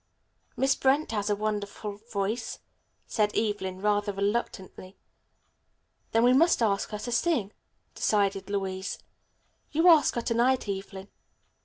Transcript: "Miss Brent has a wonderful voice," said Evelyn rather reluctantly. "Then we must ask her to sing," decided Louise. "You ask her to night, Evelyn."